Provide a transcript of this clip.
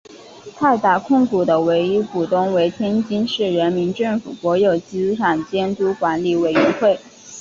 泰达控股的唯一股东为天津市人民政府国有资产监督管理委员会。